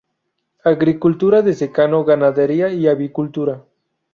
Agricultura de secano, ganadería y avicultura.